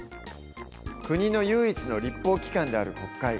国の唯一の立法機関である国会。